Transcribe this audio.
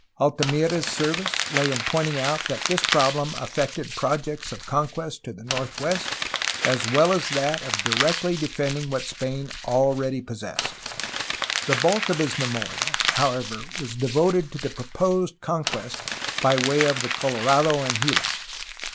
Altamira^s service lay in poiating out that this problem affected projects of conquest to the northwest as well as that of directly defending what Spain already possessed. The bulk of his memorial, however, was devoted to the proposed conquest by way of the Colorado and Gila.